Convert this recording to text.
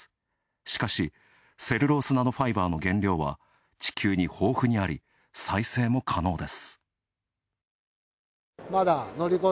しかし、セルロースナノファイバーの原料は地球に豊富にあり、再生も可能です。